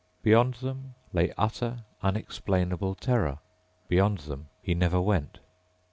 Beyond them lay utter, unexplainable terror. Beyond them he never went.